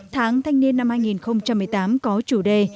tháng thanh niên năm hai nghìn một mươi tám có chủ đề